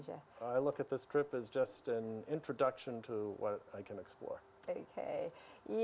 saya melihat perjalanan ini sebagai pembahasan untuk apa yang bisa saya penelitikan